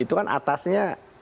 itu kan atasnya